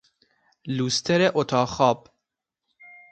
لوستر اتاق خواب